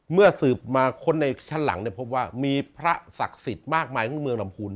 เมื่อสืบมาค้นในชั้นหลังพบว่ามีพระศักดิ์สิทธิ์มากมายของเมืองลำพูน